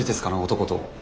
男と。